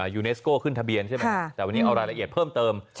ยูเนสโก้ขึ้นทะเบียนใช่ไหมแต่วันนี้เอารายละเอียดเพิ่มเติม